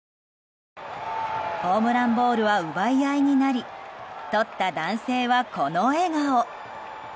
ホームランボールは奪い合いになりとった男性は、この笑顔。